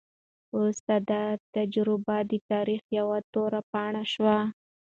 وروسته دا تجربه د تاریخ یوه توره پاڼه شوه.